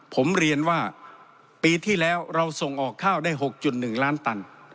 ผมเรียนว่าปีที่แล้วเราส่งออกข้าวได้๖๑ล้านตัน